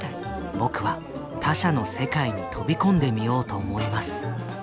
「僕は他者の世界に飛び込んでみようと思います。